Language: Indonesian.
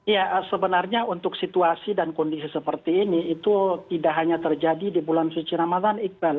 ya sebenarnya untuk situasi dan kondisi seperti ini itu tidak hanya terjadi di bulan suci ramadan iqbal